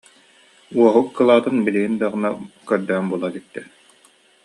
Уоһук кылаатын билигин даҕаны көрдөөн була иликтэр